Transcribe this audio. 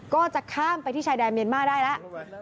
ก็จะข้ามไปที่ชายแดนเมียนมาร์ได้แล้ว